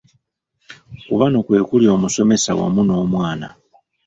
Ku bano kwe kuli omusomesa wamu n’omwana.